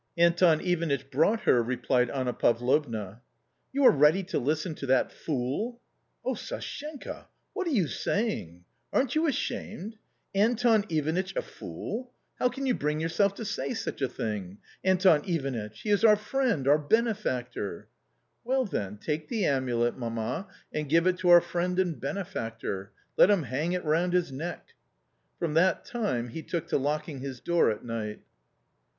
" Anton Ivanitch brought her," replied Anna Pavlovna. " You are ready to listen to that fool !"" Ob, Sashenka, what are you saying ? aren't you ashamed ? Anton Ivanitch a fool ! How can you. bring yourself to say such a thing? Anton Ivanitch — he is our friend, our bene factor !"" Well, then, take the amulet, mamma, and give it to our friend and benefactor ; let him hang it round his neck." From that time he took to locking his door at night.